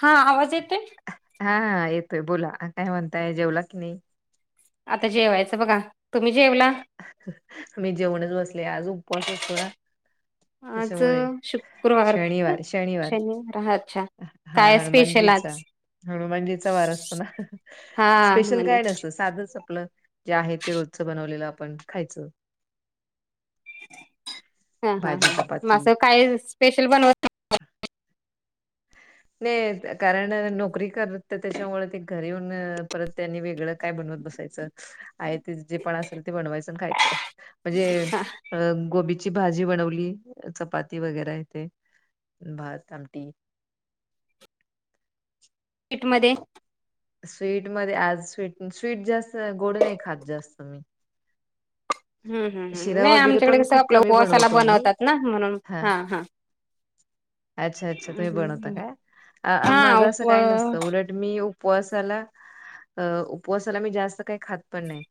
हा, आवाज येतोय? हा, येतोय बोला, काय म्हणतायं जेवला कि नाही? आता जेवायचं बघा, तुम्ही जेवला? मी जेवुणच बसले, आज उपवास असतो ना. आज त्याच्यामुळे, शुक्रवार का शनिवार, शनिवार, हा अच्छा हा काय स्पेशल हनुमानजीचा. आज हनुमान जी चा वार असतो ना, हा स्पेशल म्हणजे काय नसतं साधच आपलं जे आहे ते रोजच बनवलेलं आपण, खायच. हा हा हा, म काय स्पेशल बनव नाही, कारण नोकरी करत त्याच्यामुळे ते घरी येऊन, परत त्यांनी वेगळं काय बनवत बसायचं, आहे ते जे पण असेल ते बनवायचं, आणि खायचं. म्हणजे अ गोबीची भाजी बनवली, चपाती वगैरे हे ते, भात, आमटी. मध्ये स्वीट मध्ये, आज स्वीट जास्त गोड नाही खातं जास्त, मी. हम हम हम, शिरा नाही, वगैरे आमच्याकडे पण कसं खूप आपलं कमी ऊपवासाला बनवतो आम्ही बनवतात ना, म्हणून हा हा. अच्छा, अच्छा! तुम्ही बनवता हम्म. काय? हा माझं उप असं काय नसतं, उलट मी उपवासाला, उपवासाला मी जास्त काही खात पण नाही.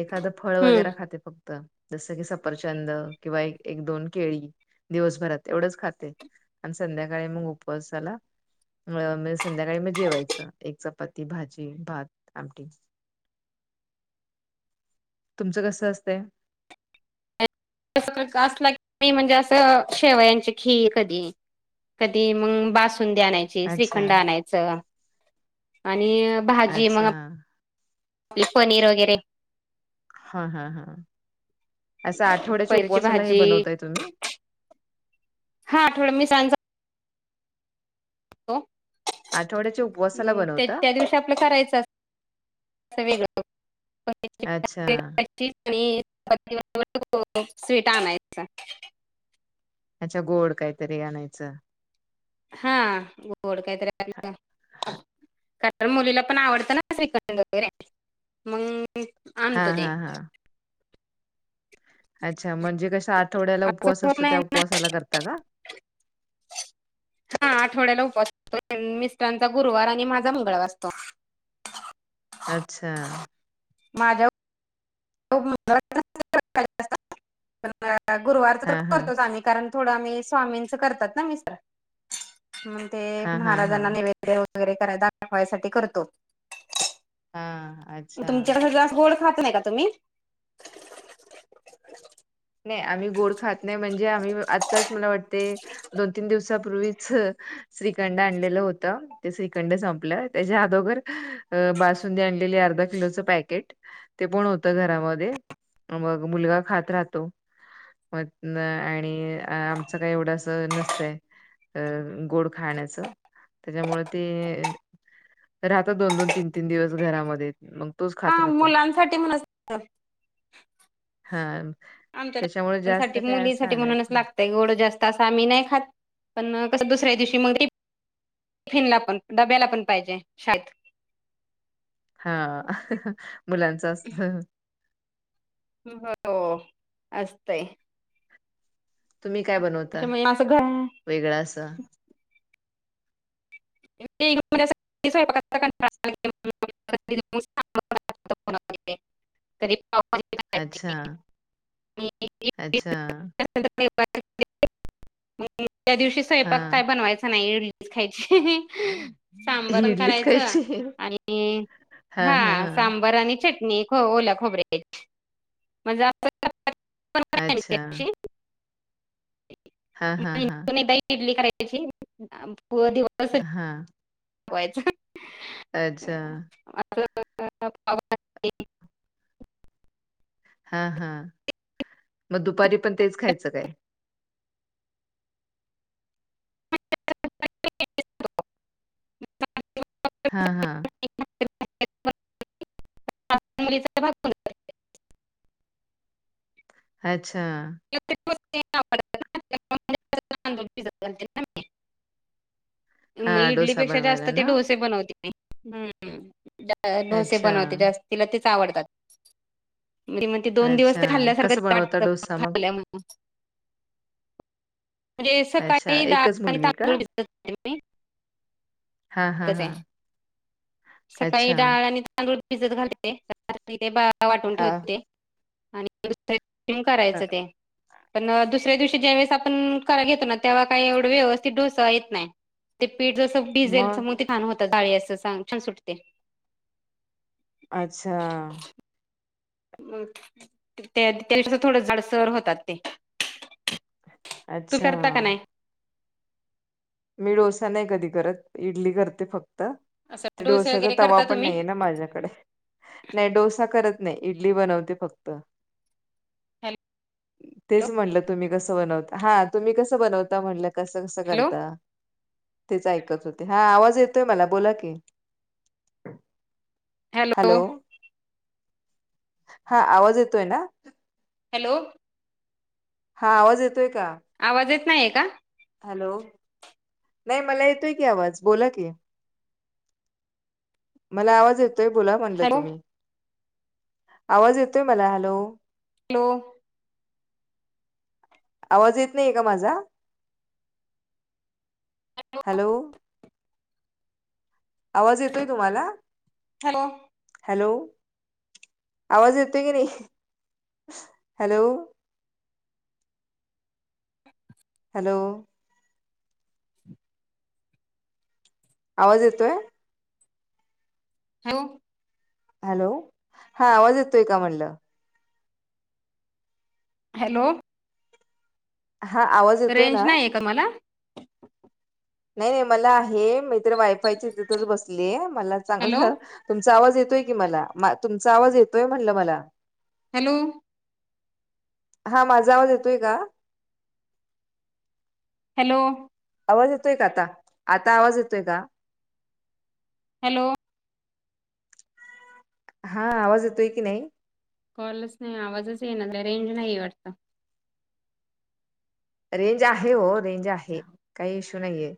एखादं फळ हम्म वगैरे खाते फक्त. जस की सफरचंद, किंवा एक, एक दोन केळी, दिवसभरात एवढंच खाते. आणि संध्याकाळी मग उपवास झाला म संध्याकाळी मग जेवायचं, एक चपाती, भाजी, भात, आमटी. [inaudible] तुमचं कसं असतय? [unintelligible] म्हणजे असं, शेवयांची खीर कधी कधी मग, बासुंदी आणायची अच्छा, श्रीखंड आणायच, आणि भाजी अच्छा. मग ली पनीर वगैरे हा हा हा, असं आठवड्याच्या पैरची उपवासाला हे भाजी बनवताय तुम्ही? हा, आठव मी सां हो, आठवड्याच्या उपवासाला बनवता? त्यादिवशी आपल करायचं अस, वेगळं. अच्छा! [unintelligible] स्वीट आणयच. अच्छा! गोड काहीतरी आणायचं. हा, गोड काहीतरी [unintelligible] कारण मुलीला पण आवडतं ना, श्रीकंड वगैरे, मग आणतो हां, ते. हां, हां. अच्छा! म्हणजे कस आठवड्याला असं उपवास होत असतो, नाही त्या उपवासाला करता का? हा, आठवड्याला उपवास असतो, मिस्टरांचा गुरुवार, आणि माझा मंगळवार असतो. [inaudible] अच्छा! माझ्या खूप गुरुवार तर हां, हां. करतोच आम [inaudible] कारण थोड आम्ही स्वामींच करतात ना. मि ते हां, हां, महाराजां हां. वै वगैरे कराय दाखवायसाठी करतो. हा अ. तुमच्यास जास् गोड खात नाही का तुम्ही नाही आम्ही गोड खात नाही म्हणजे आम्ही आत्ताच मला वाटते दोन तीन दिवसापूर्वी श्रीखंड आणलेलं होत. त्या श्रीकंड संपलं त्याच्या अदोबर बासुंदी आणलेली अर्धा किलोचं पॅकेट ते पण होतं घरामध्ये मग मुलगा खात राहतो. म आणि आमचं काही एवढं अस नसतंय. अ गोड खाण्याचं त्याच्यामु ते राहता दोन दोन तीन तीन दिवस घरामध्ये मग तोच हा खात राहतो. मुलांसाठी म्हणूनच हा. आमच्या त्याच्यामुळे जास्त मुलांसाठी काही असं मुलीसाठी आणत म्हणूनच नाही. लागतंय गोड जास्त असं आम्ही नाही खात पण कसं दुसऱ्या दिवशी मग टिफन ला पण डब्याला पण पाहिजे शाळेत. हा मुलांच असत. हो असतय. तुम्ही काय बनवता त्याच्यामुळे असं घर वेगळा असं. [unintelligible] [unintelligible] [unintelligible] अच्छा, अच्छा. त्या दिवशी स्वयंपाक हां. काय बनवायचा नाही. खायची सांबरण इडलीच करायचं खायची? आणि हां, हा हां. सांबर आणि चटणी ख ओलं खोबरे म्हणज अच्छा. हां, हां, हां. [unintelligible] हां. [unintelligible] अच्छा. [unintelligible] हा हा मग दुपारी पण तेच खायचं काय? हा हा. [unintelligible] अच्छा. [unintelligible] मग हां, डोसा इडलीपेक्षा जास्त बनवायला ते ना? ठोसे बनवते. हम्म डोसे अच्छा, बनवते जास्त तिला तेच आवडतात. म्ह मग ते दोन दिवस अच्छा. तर कसं खाल्ल्यासारखं बनवता वाटत डोसा मग? म्हणजे अच्छा, सकाळी डाळ एकच आणि मुलगी का? तांदूळ भिजत घातलेल. हा हा हा. सकाळी डाळ आणि तांदूळ भिजत घालते ते वाटून ठेवते हां. ते. [unintelligible] आणि दुसऱ्या दिवशी मग करायचे ते. पण दुसऱ्या दिवशी ज्यावेळेस आपण कराय घेतो ना, तेव्हा काही एवढं व्यवस्थित डोस येत नाही. ते पीठ जसं भिजेल तर मग ते छान होते जाळी अस छान सुटते. अच्छा. त्या [unintelligible] थोडं जाडसर होतात ते. तू अच्छा! करता का नाही मी डोसा नाही कधी करत, इडली करते फक्त. असं ते डोसे डोस्याचा वगैरे तवा करता पण तुम्ही नाहीये ना माझ्याकडे. नाही डोसा करत नाही, इडली बनवते फक्त. हॅलो तेच म्हणलं तुम्ही कस बनवता? हा, तुम्ही कस बनवता म्हणलं कसं कसं हॅलो करता? तेच ऐकत होते, हा, आवाज येतोय मला बोला की हॅलो? हा, आवाज येतोय ना? हॅलो? हा, आवाज येतोय का? आवाज येत नाहीये का? हॅलो? नाही मला येतोय की आवाज, बोला की. मला आवाज येतोय बोला म्हणलं हॅलो तुम्ही, आवाज येतोय मला हॅलो. हॅलो? आवाज येत नाहीये का माझा? हॅलो आवाज येतोय तुम्हाला? Hello hello? आवाज येतोय की नाही? हॅलो. हॅलो? आवाज येतोय? हॅलो? हॅलो? हा, आवाज येतोय का म्हणलं? हॅलो? हा, आवाज येतोय रेंज ना नाहीये तुम्हाला? नाही नाही, मला आहे, मी तर वायफायची तिथच बसले, मला हॅलो चांगलं तुमचा आवाज येतोय की मला, तुमचा आवाज येतोय म्हटलं मला. हॅलो? हा, माझा आवाज येतोय का? हॅलो? आवाज येतोय का आता? आता आवाज येतोय का? हॅलो? हा, आवाज येतोय की नाही? कॉलच नाही, आवाजच येईना, रेंज नाही वाटत. रेंज आहे हो, रेंज आहे, काही इश्यू नाहीये.